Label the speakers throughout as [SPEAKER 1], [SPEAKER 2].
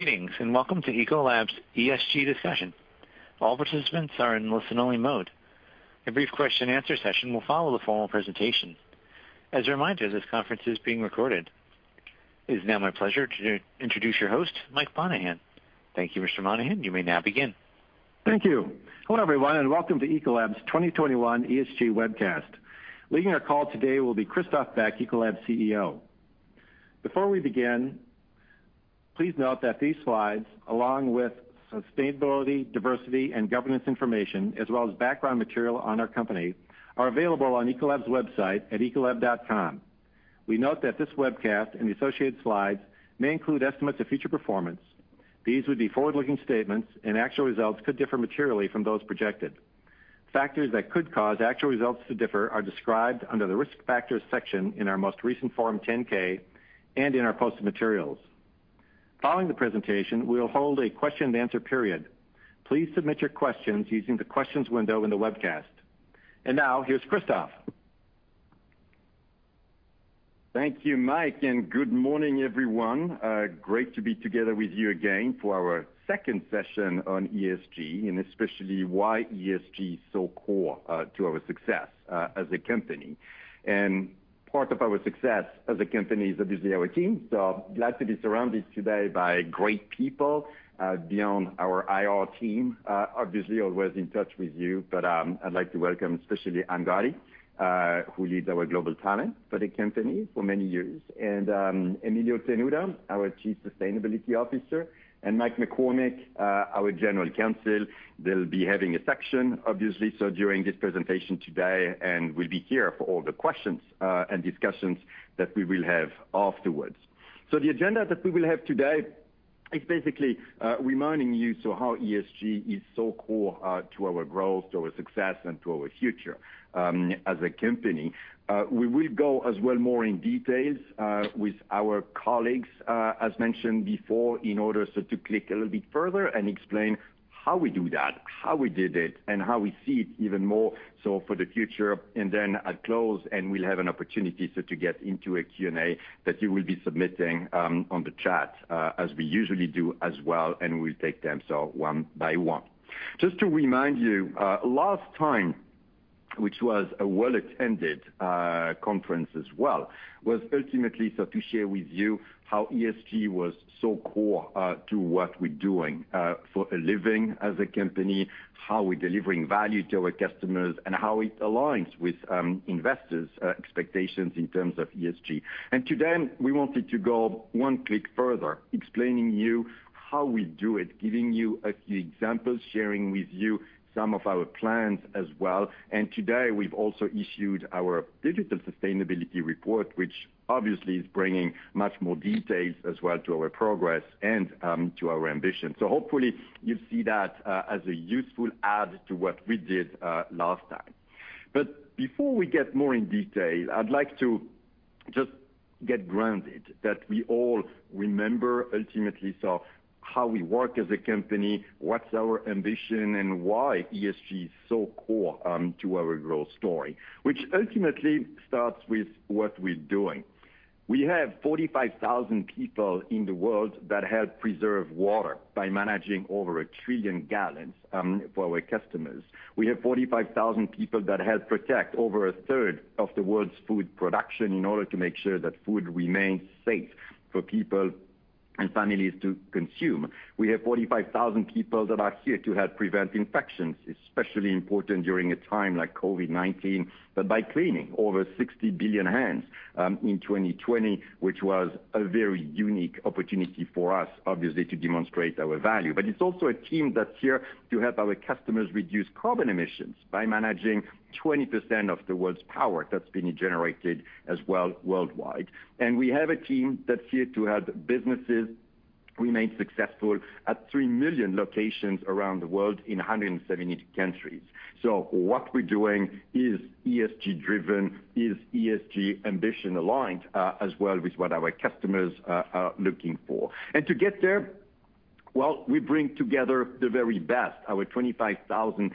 [SPEAKER 1] Greetings, and welcome to Ecolab's ESG Discussion. All participants are in listen-only mode. A brief question and answer session will follow the formal presentation. As a reminder, this conference is being recorded. It is now my pleasure to introduce your host, Michael Monahan. Thank you, Mr. Monahan. You may now begin.
[SPEAKER 2] Thank you. Hello, everyone, and welcome to Ecolab's 2021 ESG webcast. Leading our call today will be Christophe Beck, Ecolab's CEO. Before we begin, please note that these slides, along with sustainability, diversity, and governance information, as well as background material on our company, are available on Ecolab's website at ecolab.com. We note that this webcast and the associated slides may include estimates of future performance. These would be forward-looking statements, and actual results could differ materially from those projected. Factors that could cause actual results to differ are described under the Risk Factors section in our most recent Form 10-K and in our posted materials. Following the presentation, we will hold a question and answer period. Please submit your questions using the Questions window in the webcast. Now, here's Christophe.
[SPEAKER 3] Thank you, Mike, and good morning, everyone. Great to be together with you again for our second session on ESG, and especially why ESG is so core to our success as a company. Part of our success as a company is obviously our team. Glad to be surrounded today by great people beyond our IR team. Obviously, always in touch with you, but I'd like to welcome especially Anne Gatti, who leads our global talent for the company for many years, and Emilio Tenuta, our Chief Sustainability Officer, and Michael McCormick, our General Counsel. They'll be having a section, obviously, so during this presentation today, and will be here for all the questions and discussions that we will have afterwards. The agenda that we will have today is basically reminding you how ESG is so core to our growth, to our success, and to our future as a company. We will go as well more in details with our colleagues, as mentioned before, in order to click a little bit further and explain how we do that, how we did it, and how we see it even more for the future. Then at close, we'll have an opportunity to get into a Q&A that you will be submitting on the chat, as we usually do as well, and we'll take them one by one. Just to remind you, last time, which was a well-attended conference as well, was ultimately to share with you how ESG was so core to what we're doing for a living as a company, how we're delivering value to our customers, and how it aligns with investors' expectations in terms of ESG. Today, we wanted to go one click further, explaining to you how we do it, giving you a few examples, sharing with you some of our plans as well. Today, we've also issued our digital sustainability report, which obviously is bringing much more details as well to our progress and to our ambition. Hopefully, you see that as a useful add to what we did last time. Before we get more in detail, I'd like to just get grounded that we all remember ultimately how we work as a company, what's our ambition, and why ESG is so core to our growth story, which ultimately starts with what we're doing. We have 45,000 people in the world that help preserve water by managing over 1 trillion gal for our customers. We have 45,000 people that help protect over a third of the world's food production in order to make sure that food remains safe for people and families to consume. We have 45,000 people that are here to help prevent infections, especially important during a time like COVID-19, by cleaning over 60 billion hands in 2020, which was a very unique opportunity for us, obviously, to demonstrate our value. It's also a team that's here to help our customers reduce carbon emissions by managing 20% of the world's power that's being generated as well worldwide. We have a team that's here to help businesses remain successful at 3 million locations around the world in 170 countries. What we're doing is ESG-driven, is ESG ambition aligned, as well as what our customers are looking for. To get there, well, we bring together the very best our 25,000 field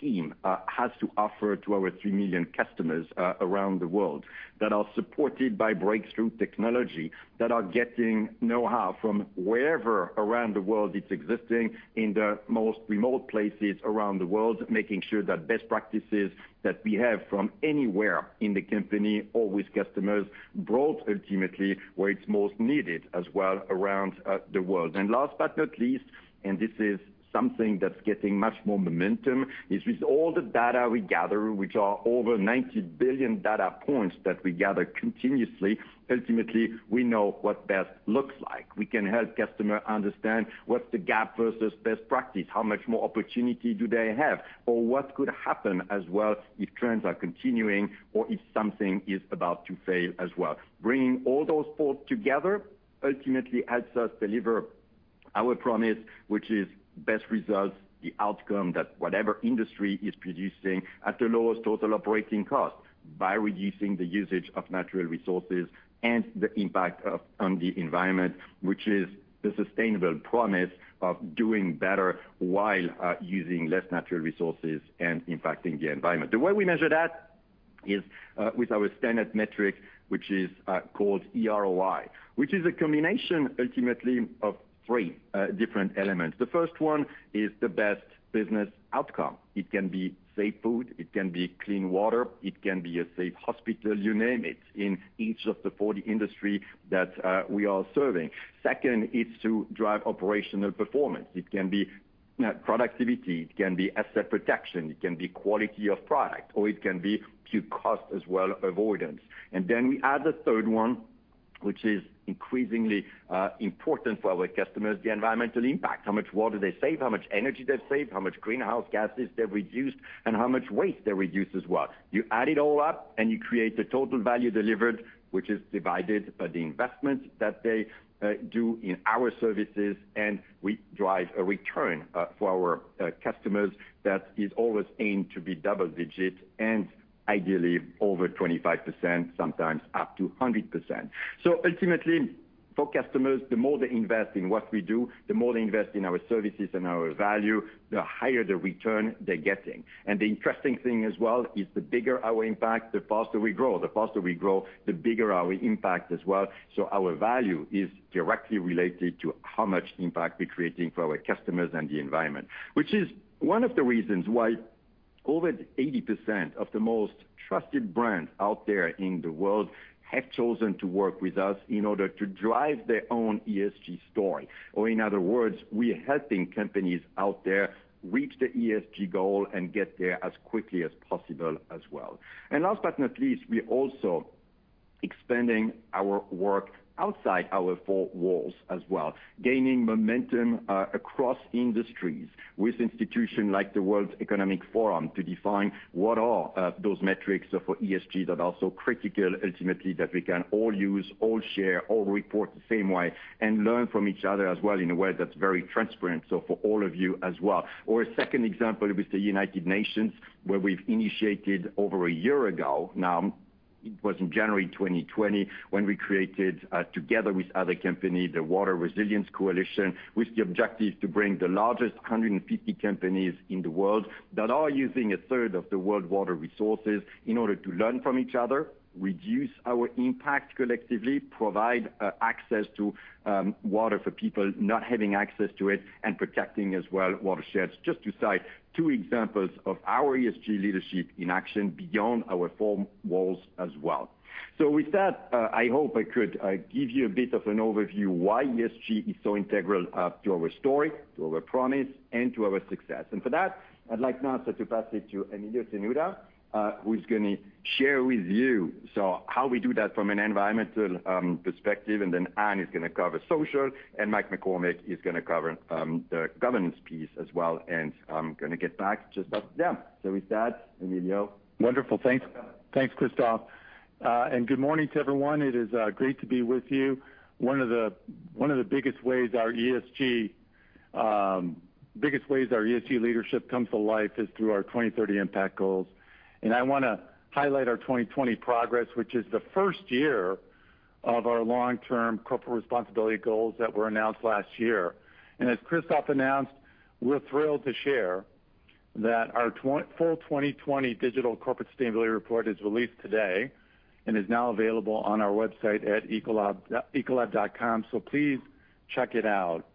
[SPEAKER 3] team has to offer to our 3 million customers around the world that are supported by breakthrough technology, that are getting know-how from wherever around the world it's existing, in the most remote places around the world, making sure that best practices that we have from anywhere in the company or with customers brought ultimately where it's most needed as well around the world. Last but not least, and this is something that's getting much more momentum, is with all the data we gather, which are over 90 billion data points that we gather continuously, ultimately, we know what best looks like. We can help customers understand what the gap versus best practice, how much more opportunity do they have, or what could happen as well if trends are continuing or if something is about to fail as well. Bringing all those thoughts together ultimately helps us deliver our promise, which is best results, the outcome that whatever industry is producing at the lowest total operating cost by reducing the usage of natural resources and the impact on the environment. Which is the sustainable promise of doing better while using less natural resources and impacting the environment. The way we measure that. is with our standard metric, which is called eROI, which is a combination ultimately of three different elements. The first one is the best business outcome. It can be safe food, it can be clean water, it can be a safe hospital, you name it, in each of the 40 industries that we are serving. Second is to drive operational performance. It can be productivity, it can be asset protection, it can be quality of product, or it can be to cost as well avoidance. We add the third one, which is increasingly important for our customers, the environmental impact, how much water they save, how much energy they save, how much greenhouse gases they reduce, and how much waste they reduce as well. You add it all up, you create the total value delivered, which is divided by the investment that they do in our services, and we drive a return for our customers that is always aimed to be double-digit and ideally over 25%, sometimes up to 100%. Ultimately, for customers, the more they invest in what we do, the more they invest in our services and our value, the higher the return they're getting. The interesting thing as well is the bigger our impact, the faster we grow. The faster we grow, the bigger our impact as well. Our value is directly related to how much impact we're creating for our customers and the environment. Which is one of the reasons why over 80% of the most trusted brands out there in the world have chosen to work with us in order to drive their own ESG story. In other words, we are helping companies out there reach their ESG goal and get there as quickly as possible as well. Last but not least, we're also expanding our work outside our four walls as well, gaining momentum across industries with institutions like the World Economic Forum to define what are those metrics for ESG that are so critical ultimately that we can all use, all share, all report the same way, and learn from each other as well in a way that's very transparent so for all of you as well. A second example with the United Nations, where we've initiated over a year ago, now it was in January 2020 when we created, together with other companies, the Water Resilience Coalition, with the objective to bring the largest 150 companies in the world that are using a third of the world water resources in order to learn from each other, reduce our impact collectively, provide access to water for people not having access to it, and protecting as well watersheds, just to cite two examples of our ESG leadership in action beyond our four walls as well. With that, I hope I could give you a bit of an overview why ESG is so integral to our story, to our promise, and to our success. For that, I'd like now to pass it to Emilio Tenuta, who's going to share with you, so how we do that from an environmental perspective, and then Anne is going to cover social, and Michael McCormick is going to cover the governance piece as well, and I'm going to get back to them. With that, Emilio.
[SPEAKER 4] Wonderful. Thanks, Christophe. Good morning to everyone. It is great to be with you. One of the biggest ways our ESG leadership comes to life is through our 2030 impact goals. I want to highlight our 2020 progress, which is the first year of our long-term corporate responsibility goals that were announced last year. As Christophe announced, we're thrilled to share that our full 2020 digital corporate sustainability report is released today and is now available on our website at ecolab.com. Please check it out.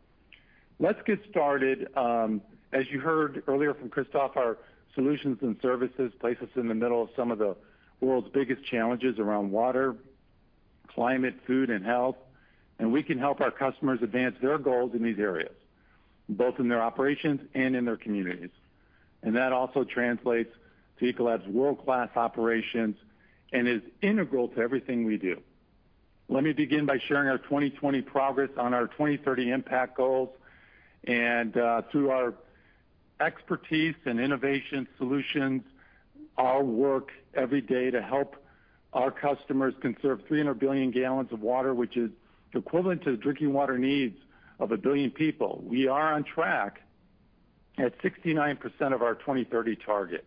[SPEAKER 4] Let's get started. As you heard earlier from Christophe, our solutions and services place us in the middle of some of the world's biggest challenges around water, climate, food, and health, and we can help our customers advance their goals in these areas, both in their operations and in their communities. That also translates to Ecolab's world-class operations and is integral to everything we do. Let me begin by sharing our 2020 progress on our 2030 impact goals and through our expertise and innovation solutions, our work every day to help our customers conserve 300 billion gal of water, which is equivalent to the drinking water needs of a billion people. We are on track at 69% of our 2030 target.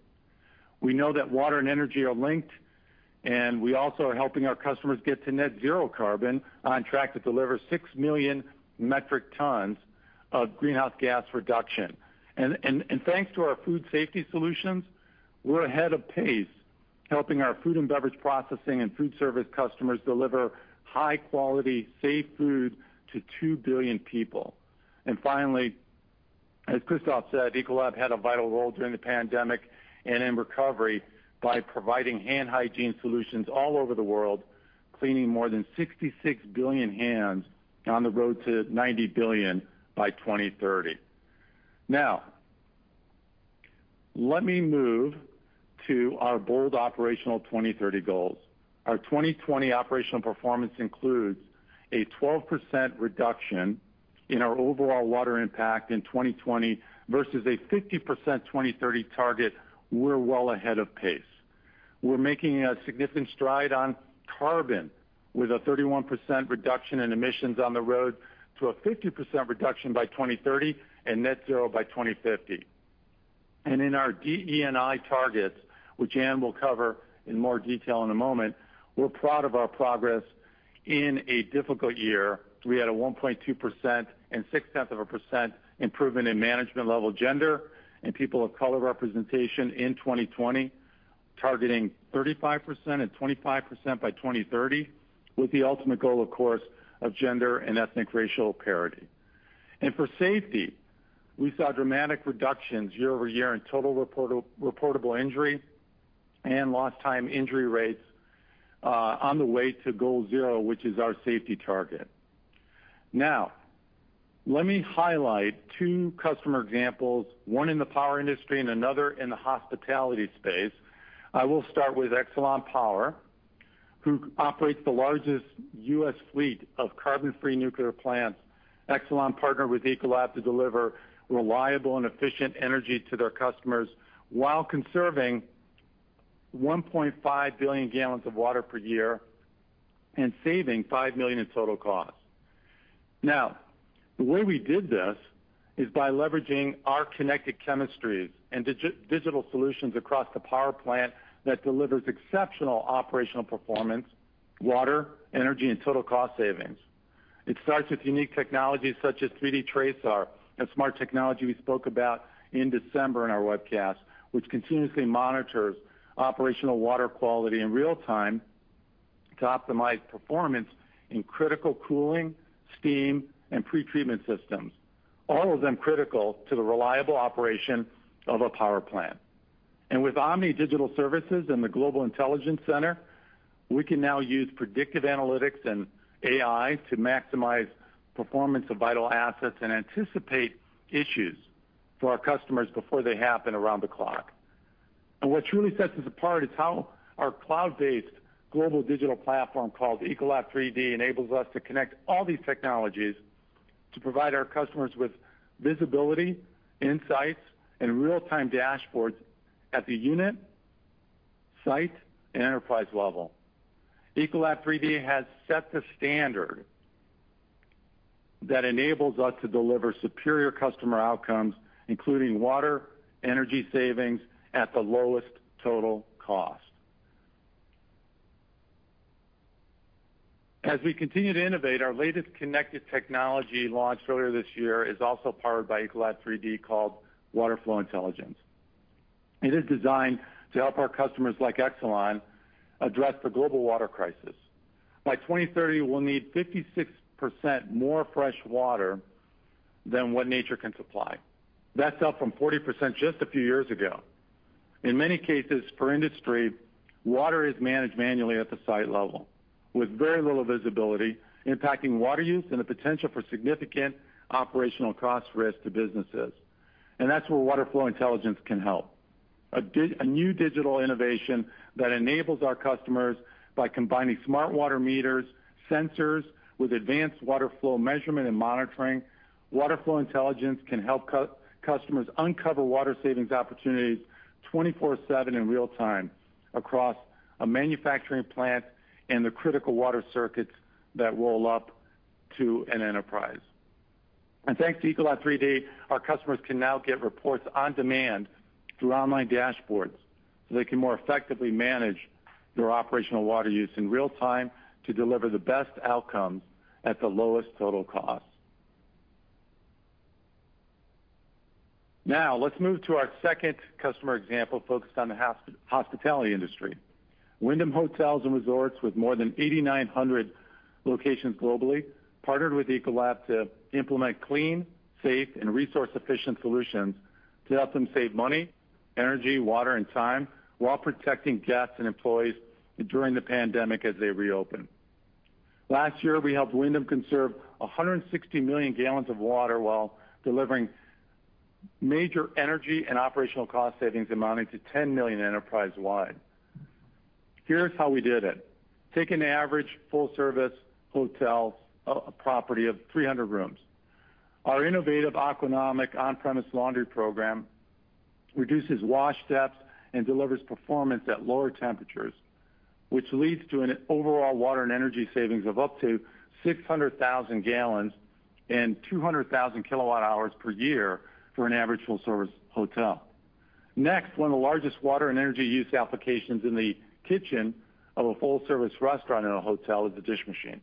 [SPEAKER 4] We know that water and energy are linked, and we also are helping our customers get to net zero carbon, on track to deliver 6 million metric tons of greenhouse gas reduction. Thanks to our food safety solutions, we're ahead of pace helping our food and beverage processing and food service customers deliver high-quality, safe food to 2 billion people. Finally, as Christophe said, Ecolab had a vital role during the pandemic and in recovery by providing hand hygiene solutions all over the world, cleaning more than 66 billion hands, on the road to 90 billion by 2030. Now, let me move to our bold operational 2030 goals. Our 2020 operational performance includes a 12% reduction in our overall water impact in 2020 versus a 50% 2030 target. We're well ahead of pace. We're making a significant stride on carbon with a 31% reduction in emissions on the road to a 50% reduction by 2030 and net zero by 2050. In our DE&I targets, which Anne will cover in more detail in a moment, we're proud of our progress in a difficult year. We had a 1.2% and 6/10 of a percent improvement in management-level gender and people of color representation in 2020. Targeting 35% and 25% by 2030 with the ultimate goal, of course, of gender and ethnic racial parity. For safety, we saw dramatic reductions year-over-year in total reportable injury and lost time injury rates on the way to Goal Zero, which is our safety target. Let me highlight two customer examples, one in the power industry and another in the hospitality space. I will start with Exelon Power, who operates the largest U.S. fleet of carbon-free nuclear plants. Exelon partnered with Ecolab to deliver reliable and efficient energy to their customers while conserving 1.5 billion gal of water per year and saving $5 million in total cost. Now, the way we did this is by leveraging our connected chemistries and digital solutions across the power plant that delivers exceptional operational performance, water, energy, and total cost savings. It starts with unique technologies such as 3D TRASAR, a smart technology we spoke about in December in our webcast, which continuously monitors operational water quality in real time to optimize performance in critical cooling, steam, and pretreatment systems. All of them critical to the reliable operation of a power plant. With OMNI digital services and the Ecolab Global Intelligence Center, we can now use predictive analytics and AI to maximize performance of vital assets and anticipate issues for our customers before they happen around the clock. What truly sets us apart is how our cloud-based global digital platform called ECOLAB3D enables us to connect all these technologies to provide our customers with visibility, insights, and real-time dashboards at the unit, site, and enterprise level. ECOLAB3D has set the standard that enables us to deliver superior customer outcomes, including water, energy savings at the lowest total cost. As we continue to innovate, our latest connected technology launched earlier this year is also powered by ECOLAB3D, called Water Flow Intelligence. It is designed to help our customers like Exelon address the global water crisis. By 2030, we'll need 56% more fresh water than what nature can supply. That's up from 40% just a few years ago. In many cases, for industry, water is managed manually at the site level with very little visibility, impacting water use and the potential for significant operational cost risk to businesses. That's where Water Flow Intelligence can help. A new digital innovation that enables our customers by combining smart water meters, sensors with advanced water flow measurement and monitoring. Water Flow Intelligence can help customers uncover water savings opportunities 24/7 in real time across a manufacturing plant and the critical water circuits that roll up to an enterprise. Thanks to ECOLAB3D, our customers can now get reports on demand through online dashboards so they can more effectively manage their operational water use in real time to deliver the best outcomes at the lowest total cost. Now, let's move to our second customer example focused on the hospitality industry. Wyndham Hotels & Resorts, with more than 8,900 locations globally, partnered with Ecolab to implement clean, safe, and resource-efficient solutions to help them save money, energy, water, and time while protecting guests and employees during the pandemic as they reopen. Last year, we helped Wyndham conserve 160 million gal of water while delivering major energy and operational cost savings amounting to $10 million enterprise-wide. Here's how we did it. Take an average full-service hotel property of 300 rooms. Our innovative Aquanomic on-premise laundry program reduces wash steps and delivers performance at lower temperatures, which leads to an overall water and energy savings of up to 600,000 gal and 200,000 kWh per year for an average full-service hotel. Next, one of the largest water and energy use applications in the kitchen of a full-service restaurant in a hotel is the dish machine.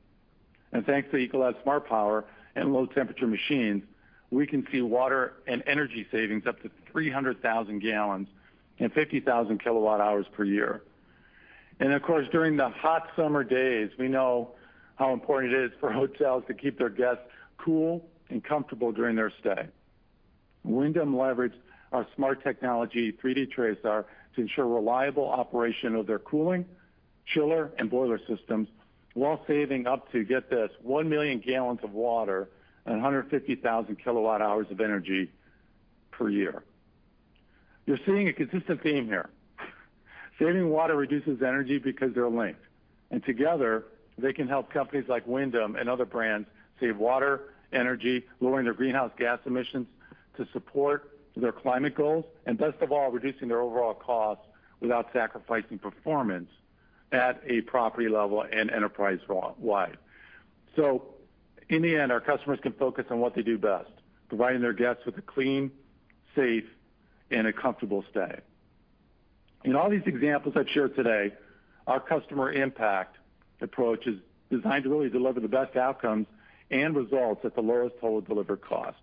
[SPEAKER 4] Thanks to Ecolab's SMARTPOWER and low-temperature machines, we can see water and energy savings up to 300,000 gal and 50,000 kWh per year. Of course, during the hot summer days, we know how important it is for hotels to keep their guests cool and comfortable during their stay. Wyndham leveraged our smart technology, 3D TRASAR, to ensure reliable operation of their cooling, chiller, and boiler systems while saving up to, get this, 1 million gal of water and 150,000 kWh of energy per year. You're seeing a consistent theme here. Saving water reduces energy because they're linked, and together they can help companies like Wyndham and other brands save water, energy, lowering their greenhouse gas emissions to support their climate goals, and best of all, reducing their overall cost without sacrificing performance at a property level and enterprise-wide. In the end, our customers can focus on what they do best, providing their guests with a clean, safe, and a comfortable stay. In all these examples I've shared today, our customer impact approach is designed to really deliver the best outcomes and results at the lowest total delivered cost.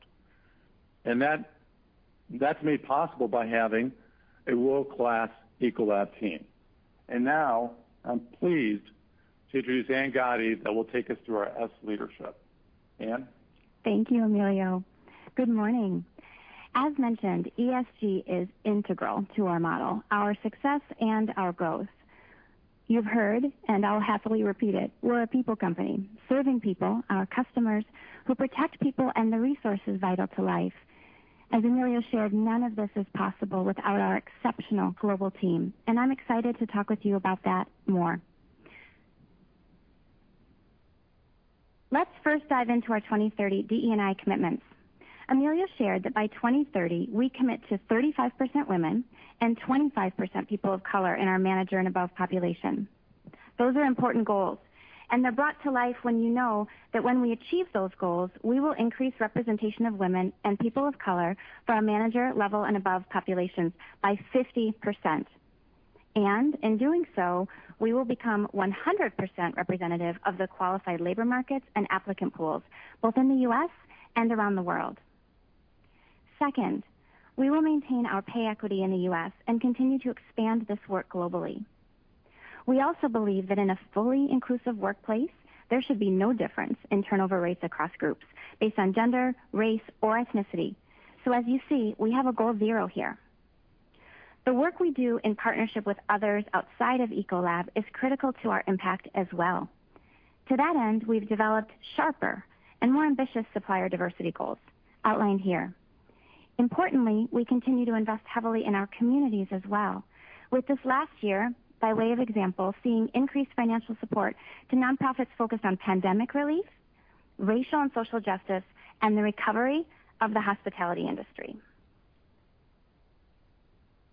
[SPEAKER 4] That's made possible by having a world-class Ecolab team. Now I'm pleased to introduce Anne Gatti that will take us through our S leadership. Anne.
[SPEAKER 5] Thank you, Emilio. Good morning. As mentioned, ESG is integral to our model, our success, and our growth. You've heard, and I'll happily repeat it, we're a people company, serving people, our customers, who protect people and the resources vital to life. As Emilio shared, none of this is possible without our exceptional global team, and I'm excited to talk with you about that more. Let's first dive into our 2030 DE&I commitments. Emilio shared that by 2030, we commit to 35% women and 25% people of color in our manager and above population. Those are important goals, and they're brought to life when you know that when we achieve those goals, we will increase representation of women and people of color by manager level and above population by 50%. In doing so, we will become 100% representative of the qualified labor markets and applicant pools, both in the U.S. and around the world. Second, we will maintain our pay equity in the U.S. and continue to expand this work globally. We also believe that in a fully inclusive workplace, there should be no difference in turnover rates across groups based on gender, race, or ethnicity. As you see, we have a goal of zero here. The work we do in partnership with others outside of Ecolab is critical to our impact as well. To that end, we've developed sharper and more ambitious supplier diversity goals outlined here. Importantly, we continue to invest heavily in our communities as well. With this last year, by way of example, seeing increased financial support to nonprofits focused on pandemic relief, racial and social justice, and the recovery of the hospitality industry.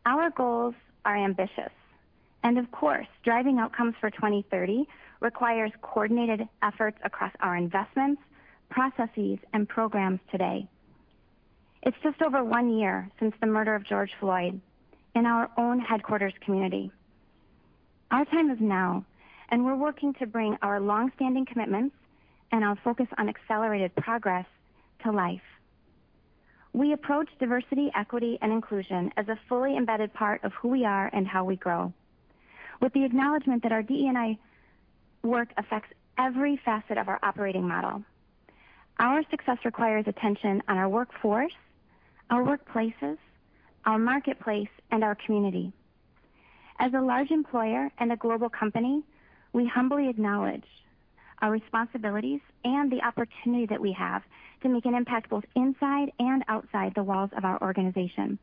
[SPEAKER 5] Our goals are ambitious. Of course, driving outcomes for 2030 requires coordinated efforts across our investments, processes, and programs today. It's just over one year since the murder of George Floyd in our own headquarters community. Our time is now, we're working to bring our longstanding commitments and our focus on accelerated progress to life. We approach diversity, equity, and inclusion as a fully embedded part of who we are and how we grow. With the acknowledgement that our DE&I work affects every facet of our operating model. Our success requires attention on our workforce, our workplaces, our marketplace, and our community. As a large employer and a global company, we humbly acknowledge our responsibilities and the opportunity that we have to make an impact both inside and outside the walls of our organization.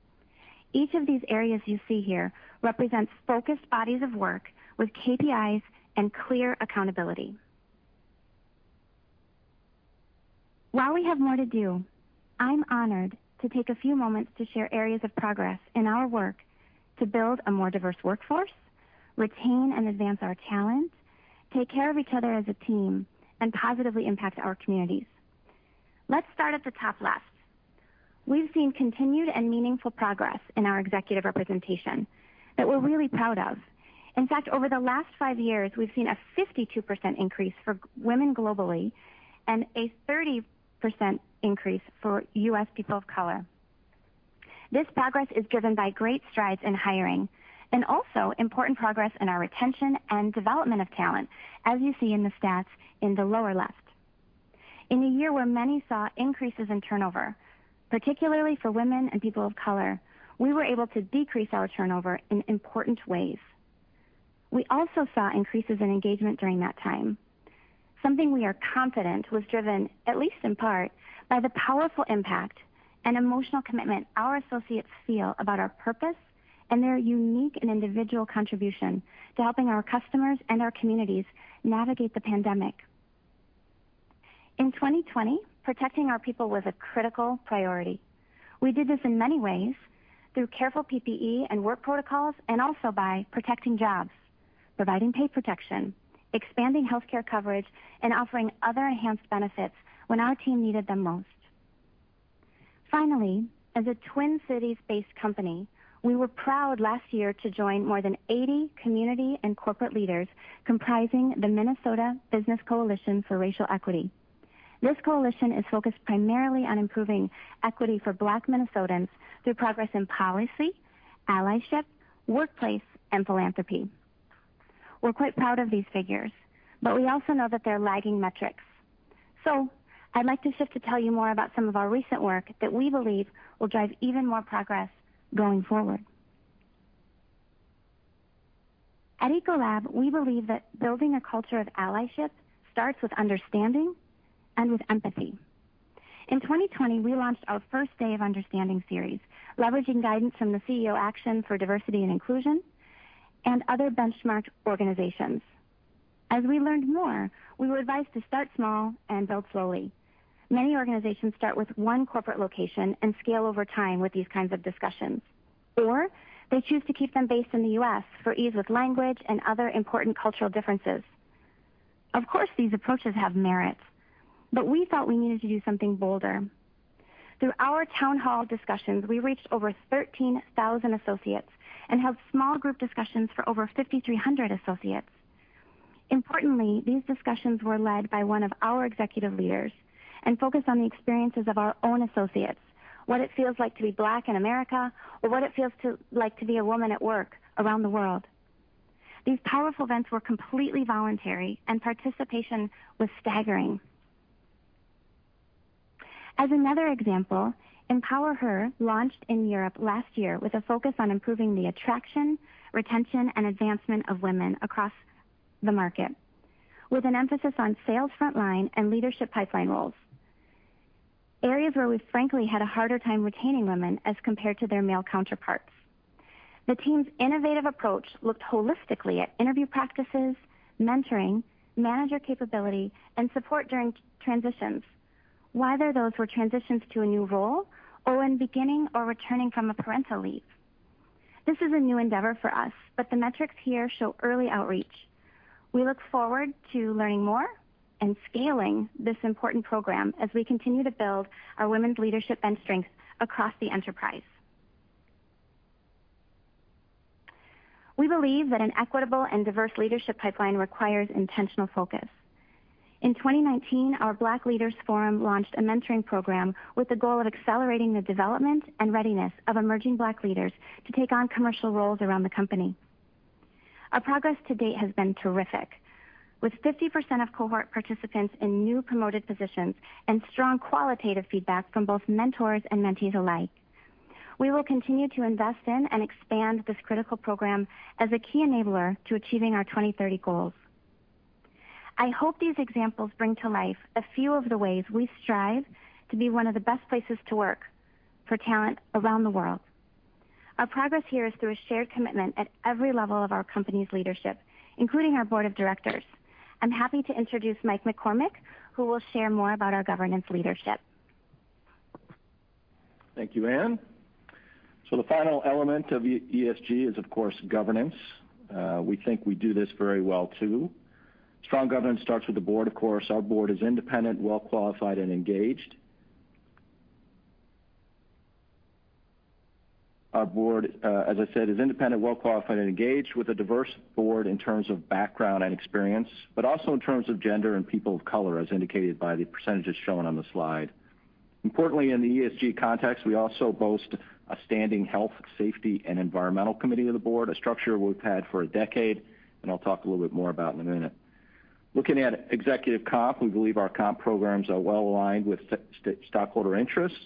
[SPEAKER 5] Each of these areas you see here represents focused bodies of work with KPIs and clear accountability. While we have more to do, I'm honored to take a few moments to share areas of progress in our work to build a more diverse workforce, retain and advance our talents, take care of each other as a team, and positively impact our communities. Let's start at the top left. We've seen continued and meaningful progress in our executive representation that we're really proud of. In fact, over the last five years, we've seen a 52% increase for women globally and a 30% increase for U.S. people of color. This progress is driven by great strides in hiring and also important progress in our retention and development of talent, as you see in the stats in the lower left. In a year where many saw increases in turnover, particularly for women and people of color, we were able to decrease our turnover in important ways. We also saw increases in engagement during that time. Something we are confident was driven, at least in part, by the powerful impact and emotional commitment our associates feel about our purpose and their unique and individual contribution to helping our customers and our communities navigate the pandemic. In 2020, protecting our people was a critical priority. We did this in many ways through careful PPE and work protocols, and also by protecting jobs, providing paid protection, expanding healthcare coverage, and offering other enhanced benefits when our team needed them most. Finally, as a Twin Cities-based company, we were proud last year to join more than 80 community and corporate leaders comprising the Minnesota Business Coalition for Racial Equity. This coalition is focused primarily on improving equity for Black Minnesotans through progress in policy, allyship, workplace, and philanthropy. We're quite proud of these figures. We also know that they're lagging metrics. I'd like to shift to tell you more about some of our recent work that we believe will drive even more progress going forward. At Ecolab, we believe that building a culture of allyship starts with understanding and with empathy. In 2020, we launched our first Day of Understanding series, leveraging guidance from the CEO Action for Diversity & Inclusion and other benchmark organizations. As we learned more, we were advised to start small and build slowly. Many organizations start with one corporate location and scale over time with these kinds of discussions. They choose to keep them based in the U.S. for ease of language and other important cultural differences. Of course, these approaches have merits, but we thought we needed to do something bolder. Through our town hall discussions, we reached over 13,000 associates and held small group discussions for over 5,300 associates. Importantly, these discussions were led by one of our executive leaders and focused on the experiences of our own associates, what it feels like to be Black in America, or what it feels like to be a woman at work around the world. These powerful events were completely voluntary and participation was staggering. As another example, EmpowerHER launched in Europe last year with a focus on improving the attraction, retention, and advancement of women across the market, with an emphasis on sales frontline and leadership pipeline roles, areas where we frankly had a harder time retaining women as compared to their male counterparts. The team's innovative approach looked holistically at interview practices, mentoring, manager capability, and support during transitions, whether those were transitions to a new role or when beginning or returning from a parental leave. This is a new endeavor for us, but the metrics here show early outreach. We look forward to learning more and scaling this important program as we continue to build our women's leadership and strength across the enterprise. We believe that an equitable and diverse leadership pipeline requires intentional focus. In 2019, our Black Leaders Forum launched a mentoring program with the goal of accelerating the development and readiness of emerging Black leaders to take on commercial roles around the company. Our progress to date has been terrific, with 50% of cohort participants in new promoted positions and strong qualitative feedback from both mentors and mentees alike. We will continue to invest in and expand this critical program as a key enabler to achieving our 2030 goals. I hope these examples bring to life a few of the ways we strive to be one of the best places to work for talent around the world. Our progress here is through a shared commitment at every level of our company's leadership, including our board of directors. I'm happy to introduce Michael McCormick, who will share more about our governance leadership.
[SPEAKER 6] Thank you, Anne. The final element of ESG is, of course, governance. We think we do this very well, too. Strong governance starts with the board, of course. Our board, as I said, is independent, well-qualified, and engaged with a diverse board in terms of background and experience, but also in terms of gender and people of color, as indicated by the percentages shown on the slide. Importantly, in the ESG context, we also boast a standing Safety, Health, and Environmental Committee of the board, a structure we've had for a decade, and I'll talk a little bit more about in a minute. Looking at executive comp, we believe our comp programs are well aligned with stockholder interests,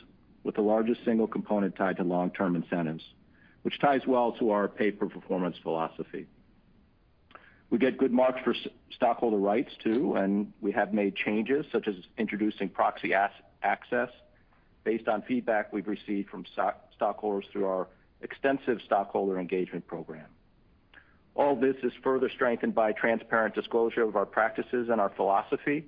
[SPEAKER 6] with the largest single component tied to long-term incentives, which ties well to our pay-for-performance philosophy. We get good marks for stockholder rights, too, and we have made changes such as introducing proxy access based on feedback we've received from stockholders through our extensive stockholder engagement program. All this is further strengthened by transparent disclosure of our practices and our philosophy,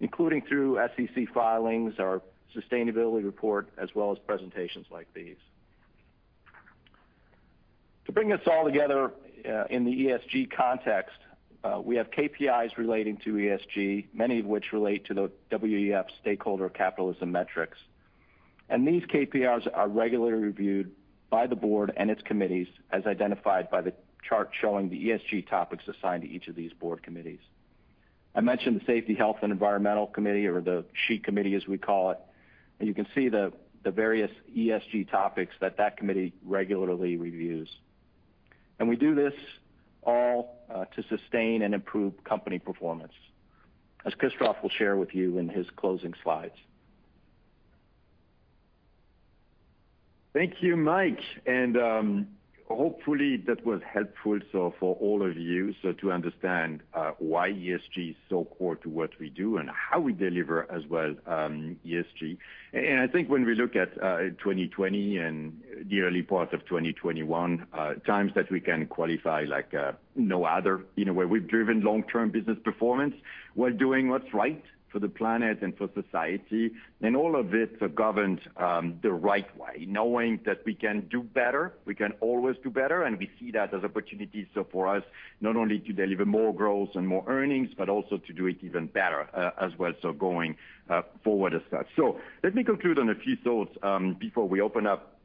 [SPEAKER 6] including through SEC filings, our sustainability report, as well as presentations like these. To bring this all together in the ESG context, we have KPIs relating to ESG, many of which relate to the WEF stakeholder capitalism metrics. These KPIs are regularly reviewed by the board and its committees, as identified by the chart showing the ESG topics assigned to each of these board committees. I mentioned the Safety, Health, and Environmental Committee, or the SHE committee, as we call it, and you can see the various ESG topics that committee regularly reviews. We do this all to sustain and improve company performance, as Christophe will share with you in his closing slides.
[SPEAKER 3] Thank you, Mike. Hopefully, that was helpful for all of you to understand why ESG is so core to what we do and how we deliver ESG. I think when we look at 2020 and the early part of 2021, times that we can qualify like no other in a way we've driven long-term business performance while doing what's right for the planet and for society. All of this governs the right way, knowing that we can do better, we can always do better, and we see that as an opportunity. For us, not only to deliver more growth and more earnings, but also to do it even better as well going forward as such. Let me conclude on a few thoughts before we open up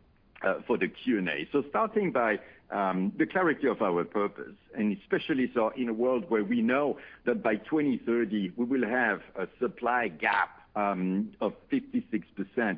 [SPEAKER 3] for the Q&A. Starting by the clarity of our purpose, and especially so in a world where we know that by 2030, we will have a supply gap of 56%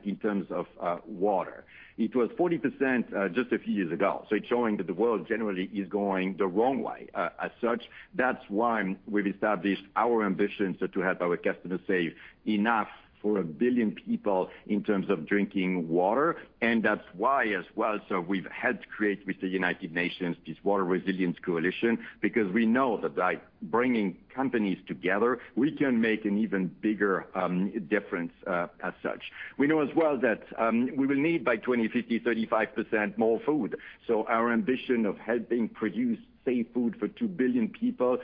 [SPEAKER 3] in terms of water. It was 40% just a few years ago. It's showing that the world generally is going the wrong way. As such, that's why we've established our ambitions to have our customers save enough for a billion people in terms of drinking water. That's why as well we've helped create with the United Nations this Water Resilience Coalition, because we know that by bringing companies together, we can make an even bigger difference as such. We know as well that we will need by 2050, 35% more food. Our ambition of helping produce safe food for 2 billion people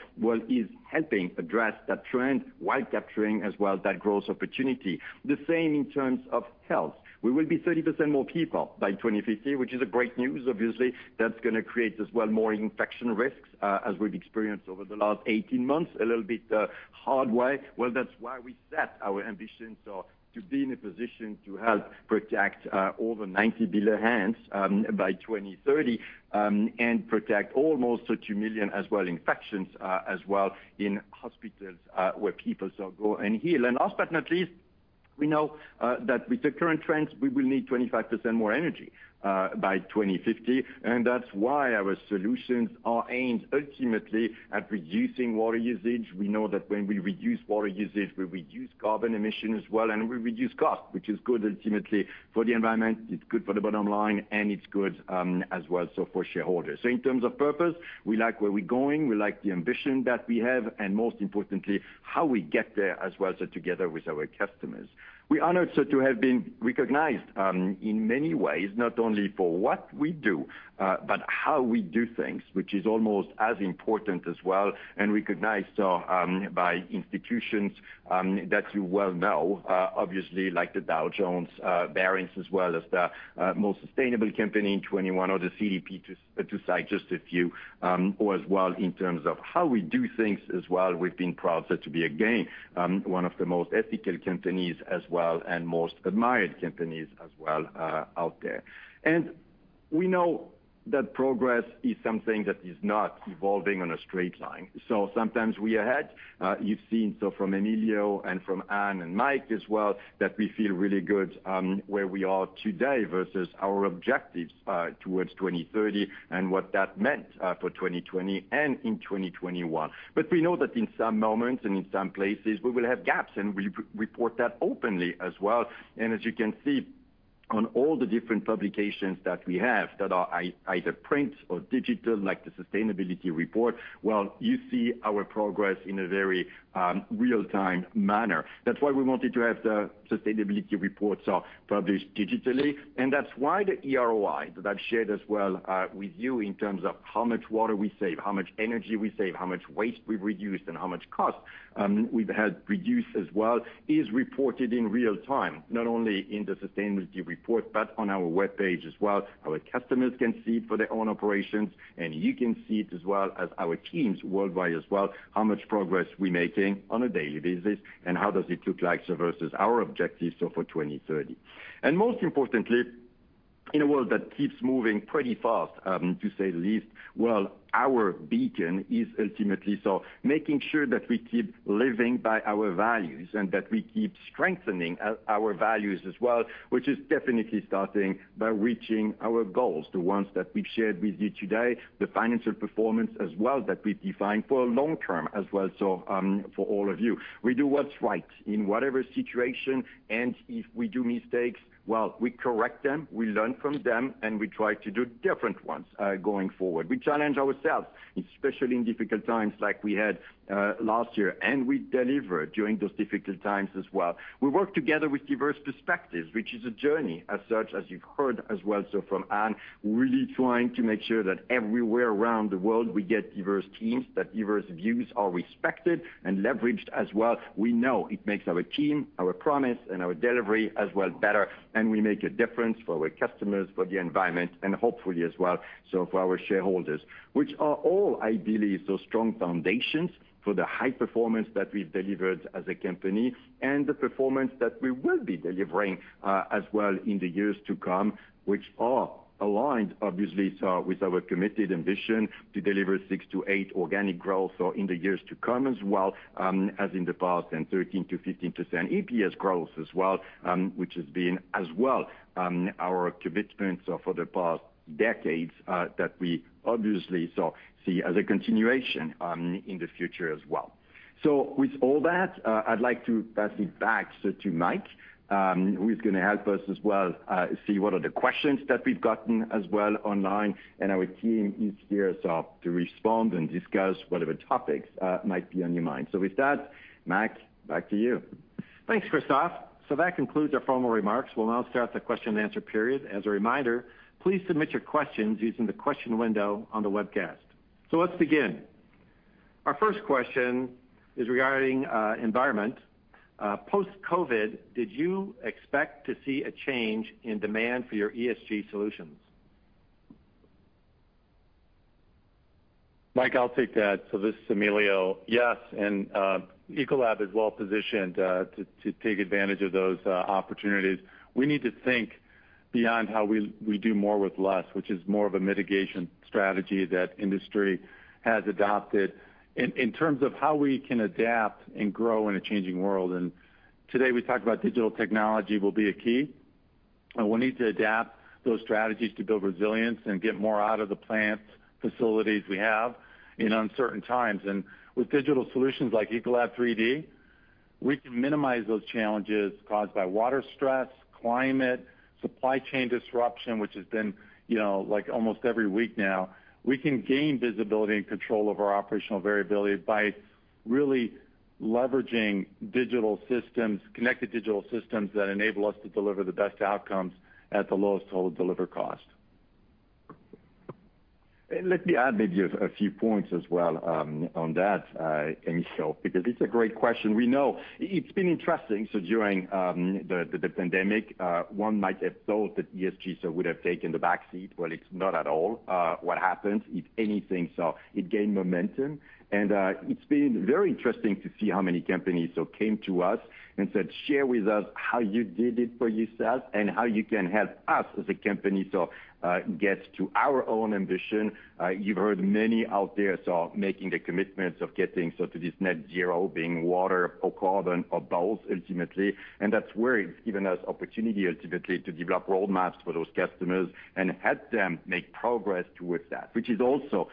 [SPEAKER 3] is helping address that trend while capturing as well that growth opportunity. The same in terms of health. We will be 30% more people by 2050, which is great news, obviously. That's going to create as well more infection risks as we've experienced over the last 18 months, a little bit hard way. Well, that's why we set our ambitions to be in a position to help protect over 90 billion hands by 2030 and protect almost 2 million as well infections as well in hospitals where people go and heal. Last but not least, we know that with the current trends, we will need 25% more energy by 2050, and that's why our solutions are aimed ultimately at reducing water usage. We know that when we reduce water usage, we reduce carbon emissions as well, and we reduce cost, which is good ultimately for the environment, it's good for the bottom line, and it's good as well for shareholders. In terms of purpose, we like where we're going, we like the ambition that we have, and most importantly, how we get there as well together with our customers. We are honored to have been recognized in many ways, not only for what we do, but how we do things, which is almost as important as well, and recognized by institutions that you well know, obviously like the Dow Jones Sustainability Index as well as the most sustainable company in 2021 or the CDP to cite just a few, or as well in terms of how we do things as well, we've been proud to be again, one of the most ethical companies as well and most admired companies as well out there. We know that progress is something that is not evolving on a straight line. Sometimes we are ahead. You've seen from Emilio and from Anne and Mike as well that we feel really good where we are today versus our objectives towards 2030 and what that meant for 2020 and in 2021. We know that in some moments and in some places, we will have gaps, and we report that openly as well. As you can see on all the different publications that we have that are either print or digital, like the sustainability report, well, you see our progress in a very real-time manner. That's why we wanted to have the sustainability reports published digitally, and that's why the eROI that I shared as well with you in terms of how much water we save, how much energy we save, how much waste we've reduced, and how much cost we've helped reduce as well is reported in real-time, not only in the sustainability report but on our webpage as well. Our customers can see for their own operations, and you can see it as well as our teams worldwide as well, how much progress we're making on a daily basis, and how does it look like versus our objectives for 2030. Most importantly, in a world that keeps moving pretty fast, to say the least, well, our beacon is ultimately making sure that we keep living by our values and that we keep strengthening our values as well, which is definitely starting by reaching our goals, the ones that we've shared with you today, the financial performance as well that we define for long-term as well for all of you. We do what's right in whatever situation, and if we do mistakes, well, we correct them, we learn from them, and we try to do different ones going forward. We challenge ourselves, especially in difficult times like we had last year, and we deliver during those difficult times as well. We work together with diverse perspectives, which is a journey as such, as you've heard as well from Anne Gatti, really trying to make sure that everywhere around the world we get diverse teams, that diverse views are respected and leveraged as well. We know it makes our team, our promise, and our delivery as well better, and we make a difference for our customers, for the environment, and hopefully as well for our shareholders. Which are all ideally those strong foundations for the high performance that we've delivered as a company and the performance that we will be delivering as well in the years to come, which are aligned obviously with our committed ambition to deliver 6%-8% organic growth in the years to come as well as in the past, and 13%-15% EPS growth as well, which has been as well our commitments for the past decades, that we obviously see as a continuation in the future as well. With all that, I'd like to pass it back to Mike, who's going to help us as well see what are the questions that we've gotten as well online and our team is here to respond and discuss whatever topics might be on your mind. With that, Mike, back to you.
[SPEAKER 2] Thanks, Christophe. That concludes our formal remarks. We'll now start the question and answer period. As a reminder, please submit your questions using the question window on the webcast. Let's begin. Our first question is regarding environment. Post-COVID-19, did you expect to see a change in demand for your ESG solutions?
[SPEAKER 4] Mike, I'll take that. This is Emilio. Yes, Ecolab is well-positioned to take advantage of those opportunities. We need to think beyond how we do more with less, which is more of a mitigation strategy that industry has adopted in terms of how we can adapt and grow in a changing world. Today we talked about digital technology will be a key, we need to adapt those strategies to build resilience and get more out of the plants, facilities we have in uncertain times. With digital solutions like ECOLAB3D, we can minimize those challenges caused by water stress, climate, supply chain disruption, which has been almost every week now. We can gain visibility and control of our operational variability by really leveraging digital systems, connected digital systems that enable us to deliver the best outcomes at the lowest total delivered cost.
[SPEAKER 3] Let me add a few points as well on that, because it's a great question. We know it's been interesting during the pandemic. One might have thought that ESG would have taken the back seat, but it's not at all what happened. If anything, it gained momentum. It's been very interesting to see how many companies came to us and said, "Share with us how you did it for yourself and how you can help us as a company get to our own ambition." You've heard many out there making the commitments of getting to this net zero, being water or carbon or both ultimately. That's where it's given us opportunity ultimately to develop roadmaps for those customers and help them make progress towards that, which is also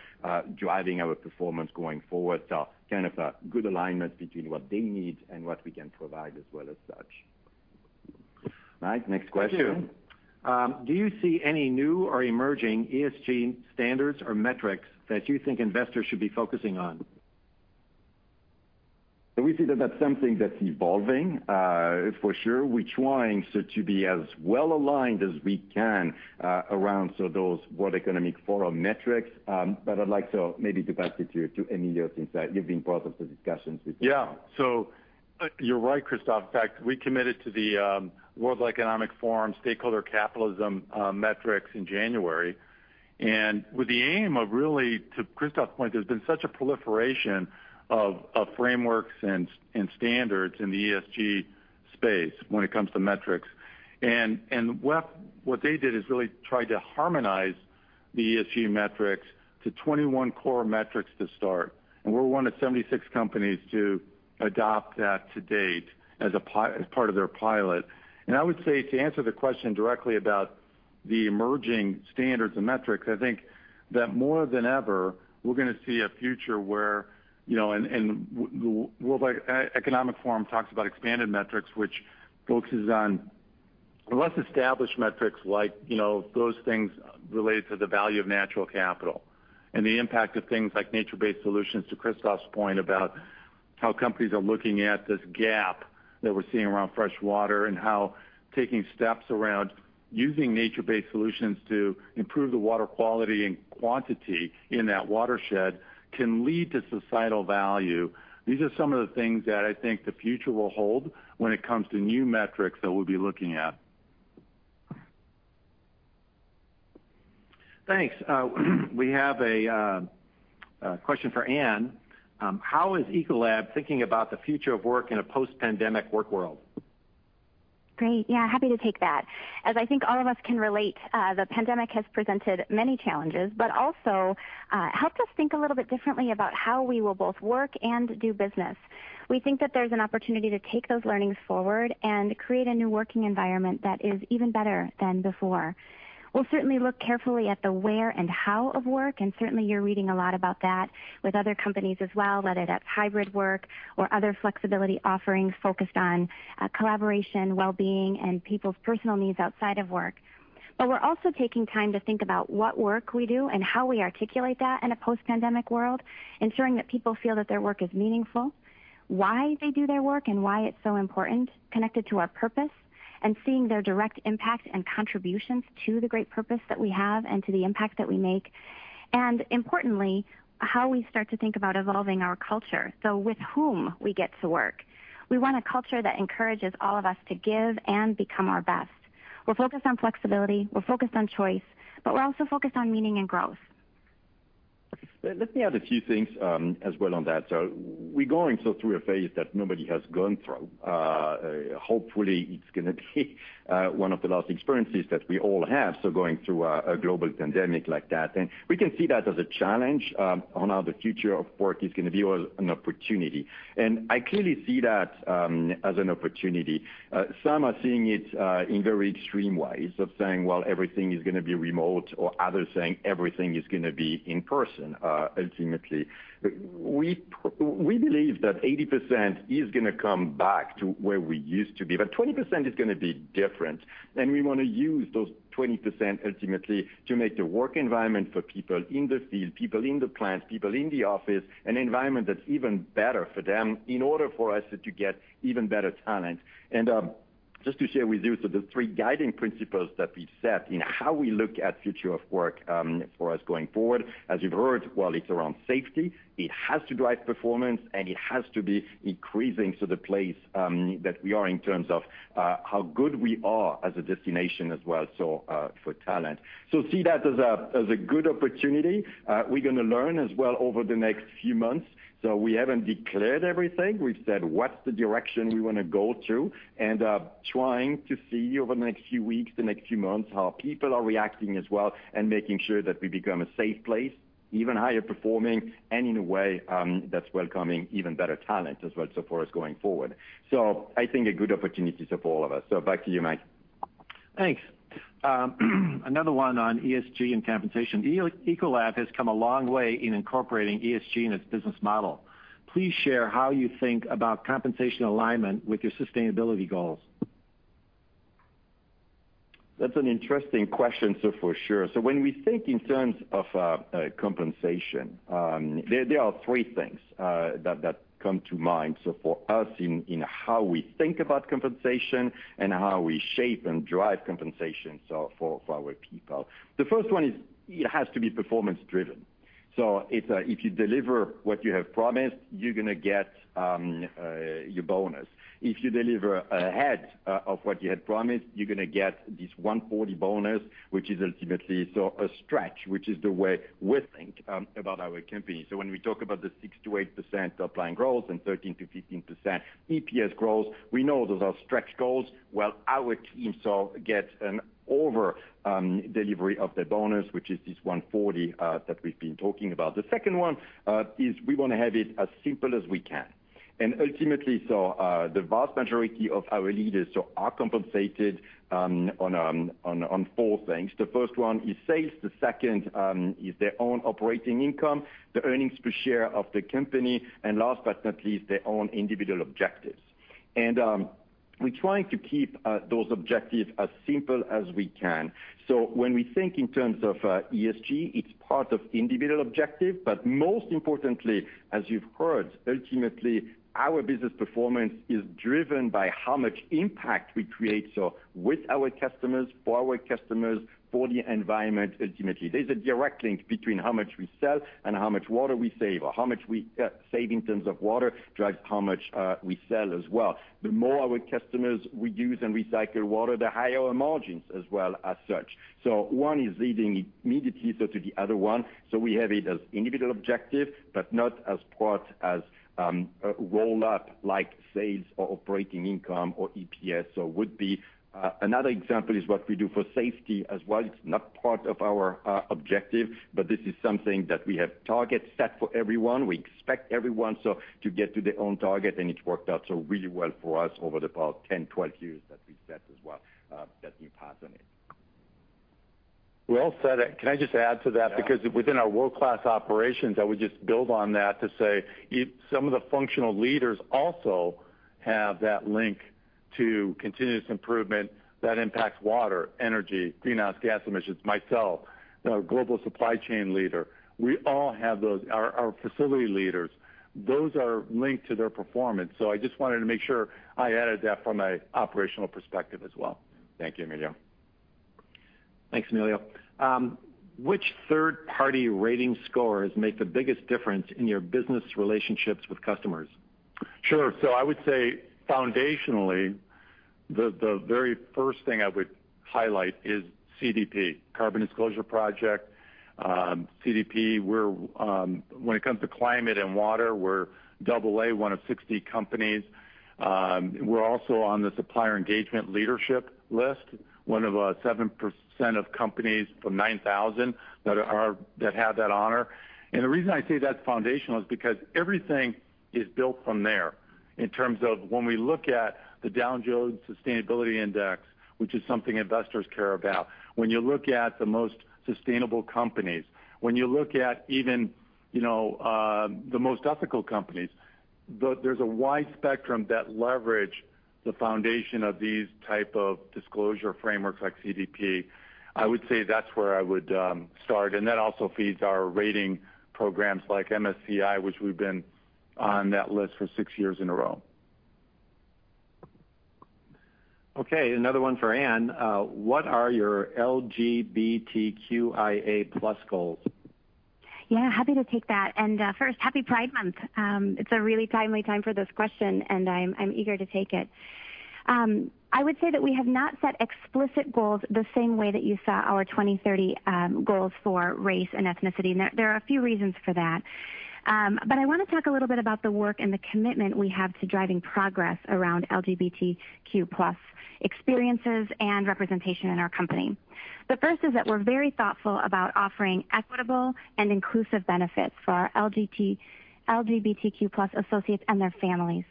[SPEAKER 3] driving our performance going forward, kind of a good alignment between what they need and what we can provide as well as such.
[SPEAKER 2] Right. Next question. Do you see any new or emerging ESG standards or metrics that you think investors should be focusing on?
[SPEAKER 3] We see that that's something that's evolving, for sure. We're trying to be as well-aligned as we can around those World Economic Forum metrics. I'd like to maybe pass it to you, Emilio your insights. You've been part of the discussions with.
[SPEAKER 4] Yeah. You're right, Christophe. In fact, we committed to the World Economic Forum stakeholder capitalism metrics in January. With the aim of really, to Christophe's point, there's been such a proliferation of frameworks and standards in the ESG space when it comes to metrics. What they did is really tried to harmonize the ESG metrics to 21 core metrics to start. We're one of 76 companies to adopt that to date as part of their pilot. I would say to answer the question directly about the emerging standards and metrics, I think that more than ever, we're going to see a future where World Economic Forum talks about expanded metrics, which focuses on less established metrics like those things related to the value of natural capital and the impact of things like nature-based solutions, to Christophe's point, about how companies are looking at this gap that we're seeing around fresh water and how taking steps around using nature-based solutions to improve the water quality and quantity in that watershed can lead to societal value. These are some of the things that I think the future will hold when it comes to new metrics that we'll be looking at. Thanks. We have a question for Anne. How is Ecolab thinking about the future of work in a post-pandemic work world?
[SPEAKER 5] Great. Yeah, happy to take that. As I think all of us can relate, the pandemic has presented many challenges, but also helped us think a little bit differently about how we will both work and do business. We think that there's an opportunity to take those learnings forward and create a new working environment that is even better than before. We'll certainly look carefully at the where and how of work, certainly you're reading a lot about that with other companies as well, whether that's hybrid work or other flexibility offerings focused on collaboration, wellbeing, and people's personal needs outside of work. We're also taking time to think about what work we do and how we articulate that in a post-pandemic world, ensuring that people feel that their work is meaningful, why they do their work, and why it's so important, connected to our purpose, and seeing their direct impact and contributions to the great purpose that we have and to the impact that we make, and importantly, how we start to think about evolving our culture, so with whom we get to work. We want a culture that encourages all of us to give and become our best. We're focused on flexibility, we're focused on choice, but we're also focused on meaning and growth.
[SPEAKER 3] Let me add a few things as well on that. We're going through a phase that nobody has gone through. Hopefully, it's going to be one of the last experiences that we all have, going through a global pandemic like that. We can see that as a challenge on how the future of work is going to be an opportunity. I clearly see that as an opportunity. Some are seeing it in very extreme ways of saying, well, everything is going to be remote, or others saying everything is going to be in person, ultimately. We believe that 80% is going to come back to where we used to be, 20% is going to be different. We want to use those 20% ultimately to make the work environment for people in the field, people in the plant, people in the office, an environment that's even better for them in order for us to get even better talent. Just to share with you, the three guiding principles that we set in how we look at future of work for us going forward, as you've heard, while it's around safety, it has to drive performance, and it has to be increasing to the place that we are in terms of how good we are as a destination as well for talent. See that as a good opportunity. We're going to learn as well over the next few months. We haven't declared everything. We've said what's the direction we want to go to and trying to see over the next few weeks, the next few months, how people are reacting as well and making sure that we become a safe place, even higher performing, and in a way that's welcoming even better talent as well so far as going forward. I think a good opportunity to support us. Back to you, Mike.
[SPEAKER 2] Thanks. Another one on ESG and compensation. Ecolab has come a long way in incorporating ESG in its business model. Please share how you think about compensation alignment with your sustainability goals.
[SPEAKER 3] That's an interesting question, for sure. When we think in terms of compensation, there are three things that come to mind. For us in how we think about compensation and how we shape and drive compensation for our people. The first one is it has to be performance driven. If you deliver what you have promised, you're going to get your bonus. If you deliver ahead of what you had promised, you're going to get this 140 bonus, which is ultimately a stretch, which is the way we think about our company. When we talk about the 6%-8% supply goals and 13%-15% EPS goals, we know those are stretch goals. Well, our teams get an over delivery of the bonus, which is this 140 that we've been talking about. The second one is we want to have it as simple as we can. Ultimately, the vast majority of our leaders are compensated on four things. The first one is safe, the second is their own operating income, the earnings per share of the company, and last but not least, their own individual objectives. We're trying to keep those objectives as simple as we can. When we think in terms of ESG, it's part of individual objective, but most importantly, as you've heard, ultimately, our business performance is driven by how much impact we create, so with our customers, for our customers, for the environment, ultimately. There's a direct link between how much we sell and how much water we save, or how much we save in terms of water drives how much we sell as well. The more our customers reduce and recycle water, the higher our margins as well as such. One is leading immediately to the other one. We have it as individual objective, but not as part as a roll-up like sales or operating income or EPS. Another example is what we do for safety as well. It's not part of our objective, but this is something that we have targets set for everyone. We expect everyone so to get to their own target, and it's worked out so really well for us over the past 10, 20 years that we set as well, that we pass on it.
[SPEAKER 4] Well said. Can I just add to that? Because within our world-class operations, I would just build on that to say some of the functional leaders also have that link to continuous improvement that impacts water, energy, greenhouse gas emissions, myself, global supply chain leader. We all have those. Our facility leaders, those are linked to their performance. I just wanted to make sure I added that from an operational perspective as well.
[SPEAKER 3] Thank you, Emilio.
[SPEAKER 2] Thanks, Emilio. Which third-party rating scores make the biggest difference in your business relationships with customers? Sure. I would say foundationally, the very first thing I would highlight is CDP, Carbon Disclosure Project. CDP, when it comes to climate and water, we're double-A, one of 60 companies. We're also on the Supplier Engagement Leaderboard list, one of 7% of companies from 9,000 that have that honor. The reason I say that's foundational is because everything is built from there in terms of when we look at the Dow Jones Sustainability Index, which is something investors care about. When you look at the most sustainable companies, when you look at even the most ethical companies, there's a wide spectrum that leverage the foundation of these type of disclosure frameworks like CDP. I would say that's where I would start. That also feeds our rating programs like MSCI, which we've been on that list for six years in a row. Okay, another one for Anne. What are your LGBTQIA+ goals?
[SPEAKER 5] Yeah, happy to take that. First, happy Pride Month. It's a really timely time for this question, and I'm eager to take it. I would say that we have not set explicit goals the same way that you saw our 2030 goals for race and ethnicity, and there are a few reasons for that. I want to talk a little bit about the work and the commitment we have to driving progress around LGBTQ+ experiences and representation in our company. The first is that we're very thoughtful about offering equitable and inclusive benefits for our LGBTQ+ associates and their families.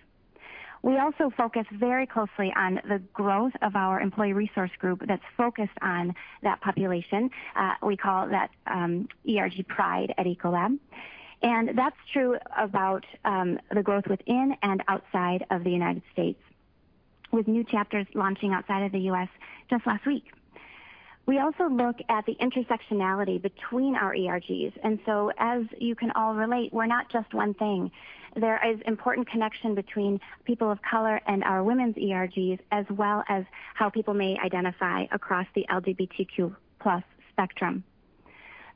[SPEAKER 5] We also focus very closely on the growth of our employee resource group that's focused on that population. We call that ERG Pride at Ecolab. That's true about the growth within and outside of the United States, with new chapters launching outside of the U.S. just last week. We also look at the intersectionality between our ERGs, and so as you can all relate, we're not just one thing. There is important connection between people of color and our women's ERGs, as well as how people may identify across the LGBTQ+ spectrum.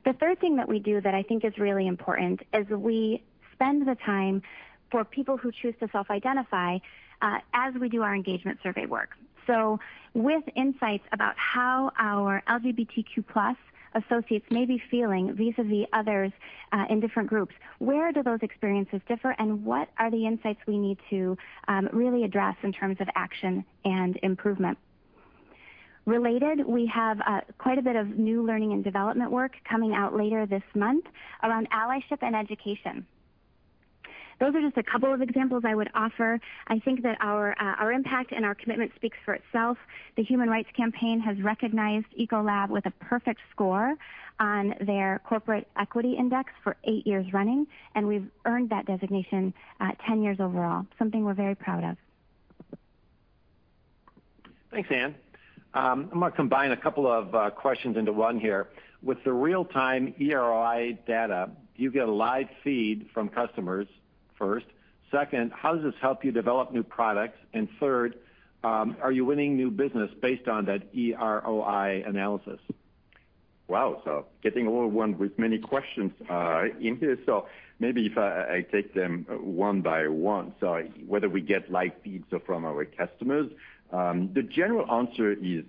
[SPEAKER 5] The third thing that we do that I think is really important is we spend the time for people who choose to self-identify as we do our engagement survey work. With insights about how our LGBTQ+ associates may be feeling vis-a-vis others in different groups, where do those experiences differ and what are the insights we need to really address in terms of action and improvement? Related, we have quite a bit of new learning and development work coming out later this month around allyship and education. Those are just a couple of examples I would offer. I think that our impact and our commitment speaks for itself. The Human Rights Campaign has recognized Ecolab with a perfect score on their Corporate Equity Index for eight years running, and we've earned that designation 10 years overall, something we're very proud of.
[SPEAKER 2] Thanks, Anne. I'm going to combine a couple of questions into one here. With the real-time eROI data, you get a live feed from customers, first. Second, how does this help you develop new products? Third, are you winning new business based on that eROI analysis?
[SPEAKER 3] Wow. Getting all one with many questions in here. Maybe if I take them one by one. Whether we get live feeds from our customers, the general answer is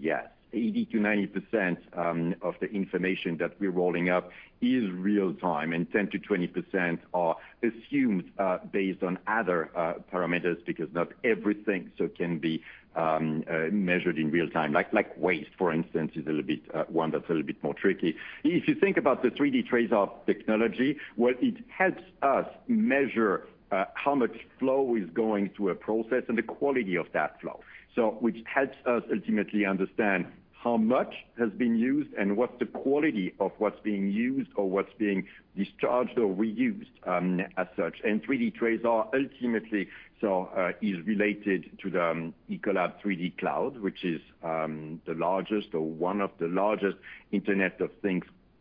[SPEAKER 3] yes. 80%-90% of the information that we're rolling up is real-time, and 10%-20% are assumed based on other parameters because not everything so can be measured in real-time. Like waste, for instance, is one that's a little bit more tricky. If you think about the 3D TRASAR technology, well, it helps us measure how much flow is going to a process and the quality of that flow. Which helps us ultimately understand how much has been used and what the quality of what's being used or what's being discharged or reused as such. 3D TRASAR ultimately is related to the ECOLAB3D cloud, which is the largest or one of the largest Internet of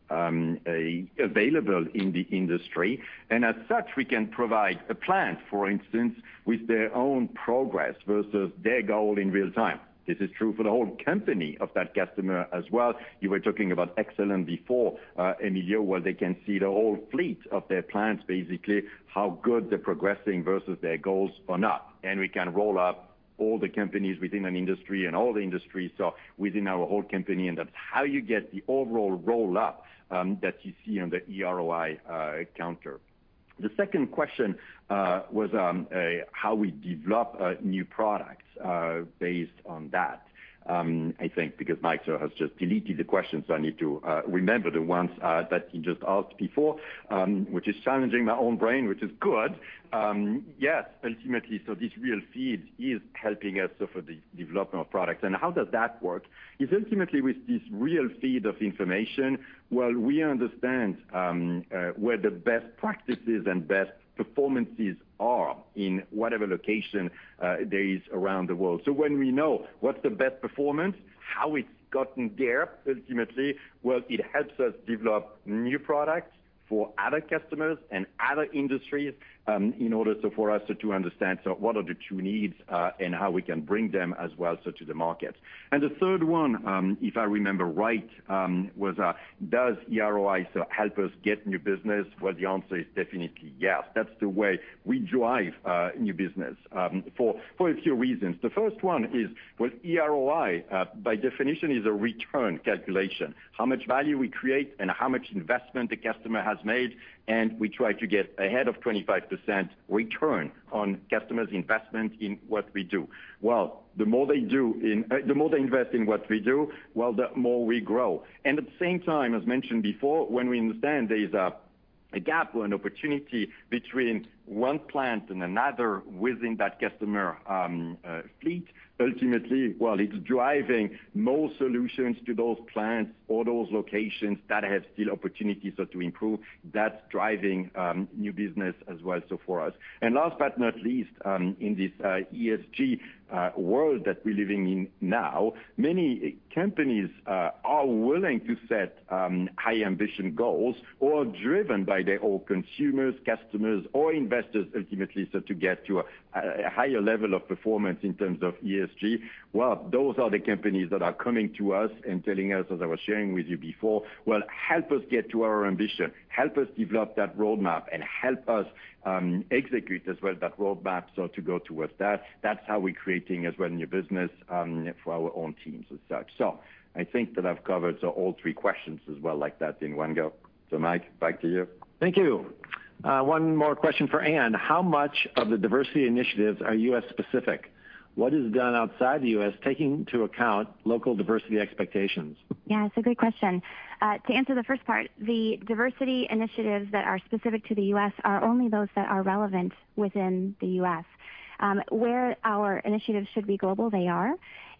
[SPEAKER 3] Things-available in the industry. As such, we can provide a plant, for instance, with their own progress versus their goal in real time. This is true for the whole company of that customer as well. You were talking about Exelon before, in here where they can see the whole fleet of their plants, basically how good they're progressing versus their goals or not. We can roll up all the companies within an industry and all the industries within our whole company and that's how you get the overall roll-up that you see on the eROI counter. The second question was on how we develop new products based on that. I think because Mike has just deleted the question, I need to remember the ones that you just asked before, which is challenging my own brain, which is good. Yes, ultimately, this real feed is helping us for the development of products. How does that work? It's ultimately with this real feed of information, well, we understand where the best practices and best performances are in whatever location there is around the world. When we know what's the best performance, how it's gotten there, ultimately, well, it helps us develop new products for other customers and other industries in order for us to understand what are the true needs and how we can bring them as well to the market. The third one, if I remember right, was does eROI help us get new business? Well, the answer is definitely yes. That's the way we drive new business for a few reasons. The first one is with EROI, by definition, is a return calculation, how much value we create and how much investment the customer has made. We try to get ahead of 25% return on customers' investment in what we do. Well, the more they invest in what we do, well, the more we grow. At the same time, as mentioned before, when we understand there's a gap or an opportunity between one plant and another within that customer fleet, ultimately, while it's driving more solutions to those plants or those locations that have still opportunities to improve, that's driving new business as well so for us. Last but not least, in this ESG world that we're living in now, many companies are willing to set high ambition goals or are driven by their own consumers, customers, or investors ultimately, so to get to a higher level of performance in terms of ESG. Well, those are the companies that are coming to us and telling us, as I was sharing with you before, "Well, help us get to our ambition, help us develop that roadmap, and help us execute as well that roadmap so to go towards that." That's how we're creating as well new business for our own teams as such. I think that I've covered all three questions as well like that in one go. Mike, back to you.
[SPEAKER 2] Thank you. One more question for Anne. How much of the diversity initiatives are U.S.-specific? What is done outside the U.S., taking into account local diversity expectations?
[SPEAKER 5] Yeah, it's a good question. To answer the first part, the diversity initiatives that are specific to the U.S. are only those that are relevant within the U.S. Where our initiatives should be global, they are,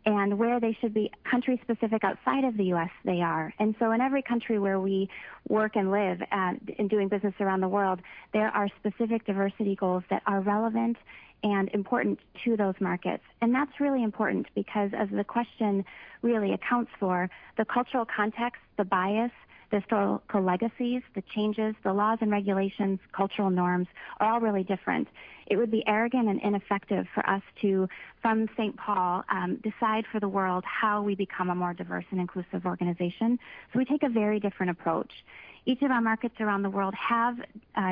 [SPEAKER 5] and where they should be country-specific outside of the U.S., they are. In every country where we work and live and doing business around the world, there are specific diversity goals that are relevant and important to those markets. That's really important because as the question really accounts for the cultural context, the bias, the legacies, the changes, the laws and regulations, cultural norms, are all really different. It would be arrogant and ineffective for us to, from St. Paul, decide for the world how we become a more diverse and inclusive organization. We take a very different approach. Each of our markets around the world have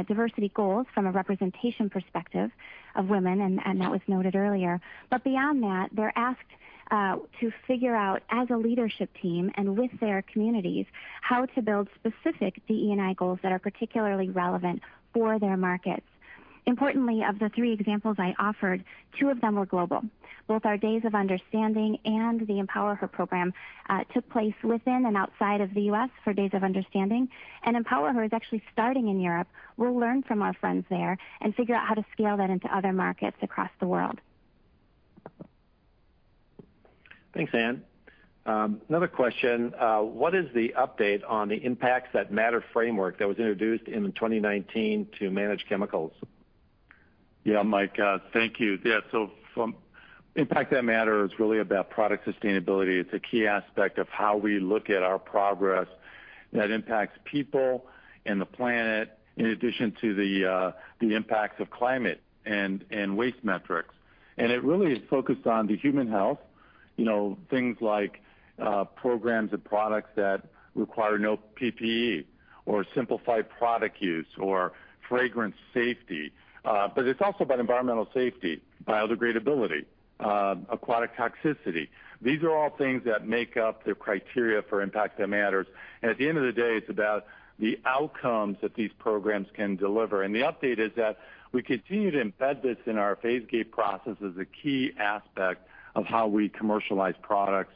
[SPEAKER 5] diversity goals from a representation perspective of women, and that was noted earlier. Beyond that, they're asked to figure out as a leadership team and with their communities how to build specific DE&I goals that are particularly relevant for their markets. Importantly, of the three examples I offered, two of them were global. Both our Days of Understanding and the EmpowerHer program took place within and outside of the U.S. for Days of Understanding. EmpowerHer is actually starting in Europe. We'll learn from our friends there and figure out how to scale that into other markets across the world.
[SPEAKER 2] Thanks, Anne. Another question. What is the update on the Impacts That Matter framework that was introduced in 2019 to manage chemicals?
[SPEAKER 4] Mike, thank you. Impacts That Matter is really about product sustainability. It's a key aspect of how we look at our progress that impacts people and the planet, in addition to the impacts of climate and waste metrics. It really is focused on the human health, things like programs and products that require no PPE or simplified product use or fragrance safety. It's also about environmental safety, biodegradability, aquatic toxicity. These are all things that make up the criteria for Impacts That Matter. At the end of the day, it's about the outcomes that these programs can deliver. The update is that we continue to embed this in our phase gate process as a key aspect of how we commercialize products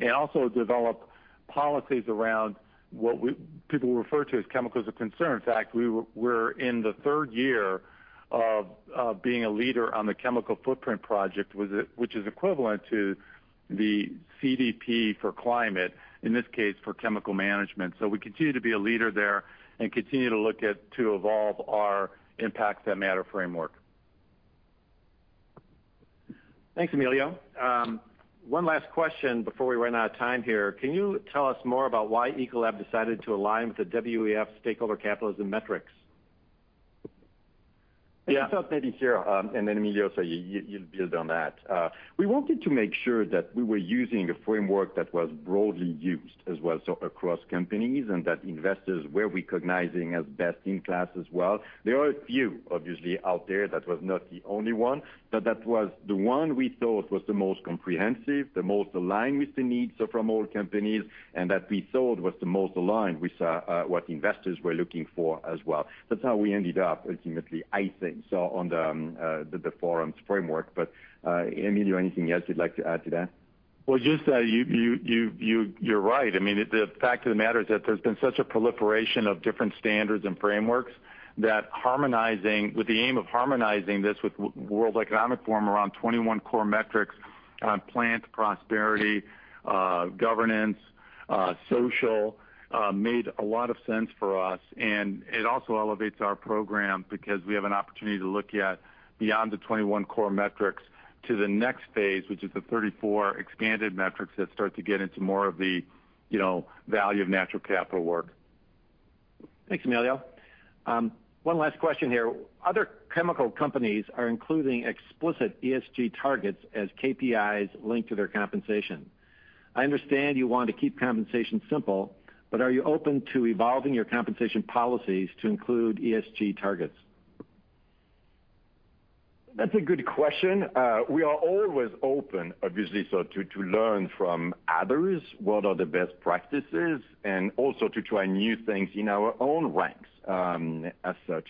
[SPEAKER 4] and also develop policies around what people refer to as chemicals of concern. In fact, we're in the third year of being a leader on the Chemical Footprint Project, which is equivalent to the CDP for climate, in this case, for chemical management. We continue to be a leader there and continue to look at to evolve our Impacts That Matter framework.
[SPEAKER 2] Thanks, Emilio. One last question before we run out of time here. Can you tell us more about why Ecolab decided to align with the WEF stakeholder capitalism metrics?
[SPEAKER 3] Yeah. Maybe Pierre, and then Emilio, so you build on that. We wanted to make sure that we were using a framework that was broadly used as well, so across companies, and that investors were recognizing as best-in-class as well. There are a few, obviously, out there. That was not the only one, but that was the one we thought was the most comprehensive, the most aligned with the needs of our companies, and that we thought was the most aligned with what investors were looking for as well. That's how we ended up, ultimately, I think, so on the Forums framework. Emilio, anything else you'd like to add to that?
[SPEAKER 4] Well, just that you're right. I mean, the fact of the matter is that there's been such a proliferation of different standards and frameworks that with the aim of harmonizing this with World Economic Forum around 21 core metrics on plant, prosperity, governance, social, made a lot of sense for us, and it also elevates our program because we have an opportunity to look beyond the 21 core metrics to the next phase, which is the 34 expanded metrics that start to get into more of the value of natural capital work. Thanks, Emilio. One last question here. Other chemical companies are including explicit ESG targets as KPIs linked to their compensation. I understand you want to keep compensation simple, but are you open to evolving your compensation policies to include ESG targets?
[SPEAKER 3] That's a good question. We are always open, obviously, so to learn from others what are the best practices and also to try new things in our own ranks as such.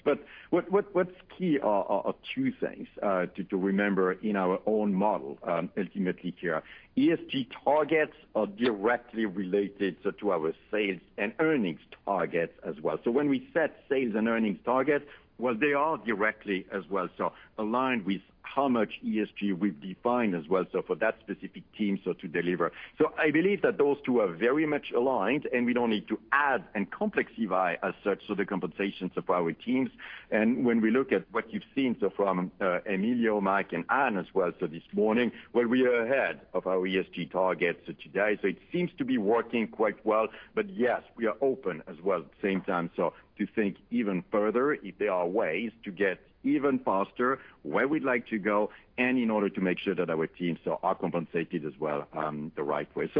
[SPEAKER 3] What's key are two things to remember in our own model, ultimately, Pierre. ESG targets are directly related to our sales and earnings targets as well. When we set sales and earnings targets, well, they are directly as well, so aligned with how much ESG we define as well, so for that specific team so to deliver. I believe that those two are very much aligned, and we don't need to add and complexify as such, so the compensations of our teams. When we look at what you've seen, so from Emilio, Mike, and Anne as well, so this morning, well, we are ahead of our ESG targets to today. It seems to be working quite well. Yes, we are open as well, at the same time, to think even further if there are ways to get even faster where we'd like to go and in order to make sure that our teams are compensated as well the right way.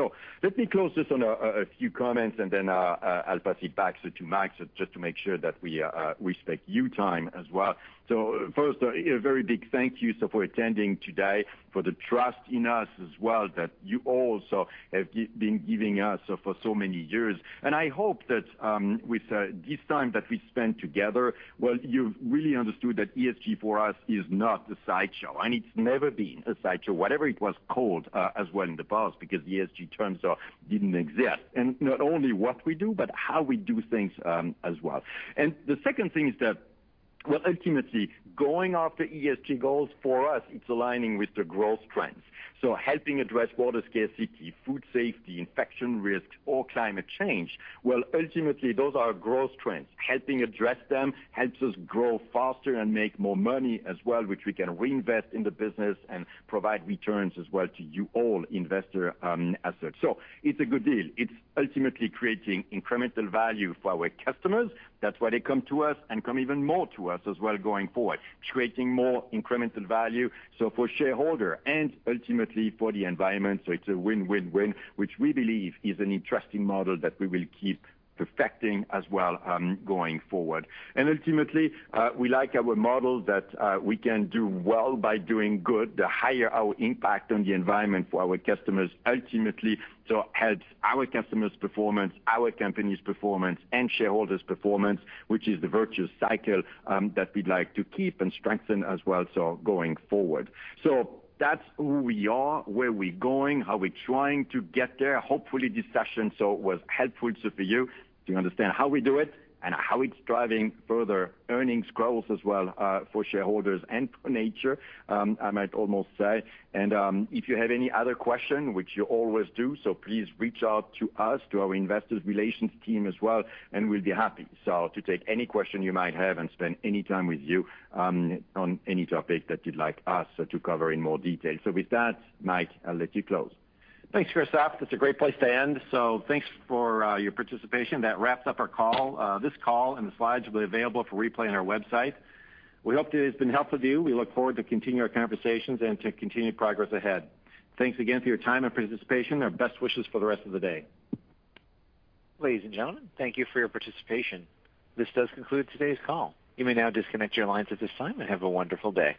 [SPEAKER 3] Let me close just on a few comments, and then I'll pass it back to Mike, just to make sure that we respect your time as well. First, a very big thank you for attending today, for the trust in us as well that you all so have been giving us for so many years. I hope that with this time that we spent together, well, you've really understood that ESG for us is not a sideshow, and it's never been a sideshow, whatever it was called as well in the past, because ESG terms didn't exist, and not only what we do, but how we do things as well. The second thing is that, well, ultimately, going after ESG goals, for us, it's aligning with the growth trends. Helping address water scarcity, food safety, infection risk, or climate change, well, ultimately, those are growth trends. Helping address them helps us grow faster and make more money as well, which we can reinvest in the business and provide returns as well to you all, investor as such. It's a good deal. It's ultimately creating incremental value for our customers. That's why they come to us and come even more to us as well going forward, creating more incremental value, so for shareholder and ultimately for the environment. It's a win-win-win, which we believe is an interesting model that we will keep perfecting as well going forward. Ultimately, we like our model that we can do well by doing good. The higher our impact on the environment for our customers ultimately so helps our customers' performance, our company's performance, and shareholders' performance, which is the virtuous cycle that we'd like to keep and strengthen as well so going forward. That's who we are, where we're going, how we're trying to get there. Hopefully, this session so was helpful so for you to understand how we do it and how it's driving further earnings growth as well for shareholders and for nature, I might almost say. If you have any other question, which you always do, so please reach out to us, to our investor relations team as well, and we'll be happy so to take any question you might have and spend any time with you on any topic that you'd like us so to cover in more detail. With that, Mike, I'll let you close.
[SPEAKER 2] Thanks, Christophe. That's a great place to end. Thanks for your participation. That wraps up our call. This call and the slides will be available for replay on our website. We hope this has been helpful to you. We look forward to continue our conversations and to continue progress ahead. Thanks again for your time and participation, and best wishes for the rest of the day.
[SPEAKER 1] Ladies and gentlemen, thank you for your participation. This does conclude today's call. You may now disconnect your lines at this time, and have a wonderful day.